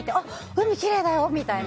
海きれいだよみたいな。